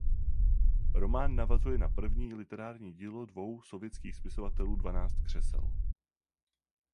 Román navazuje na první literární dílo dvou sovětských spisovatelů "Dvanáct křesel".